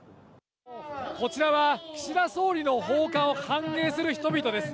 こちらは、岸田総理の訪韓を歓迎する人々です。